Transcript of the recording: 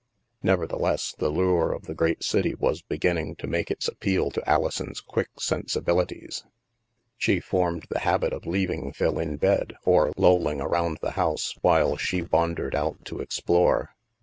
Nevertheless, the lure of the great city w^s be ginning to make its appeal to Alison's quick sensi bilities. She formed the habit of leaving Phil in bed or lolling around the house, while she wandered out to explore.